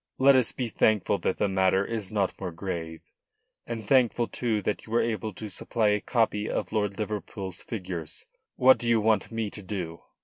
Let us be thankful that the matter is not more grave, and thankful, too, that you were able to supply a copy of Lord Liverpool's figures. What do you want me to do?"